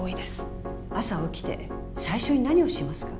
朝起きて最初に何をしますか？